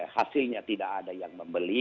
hasilnya tidak ada yang membeli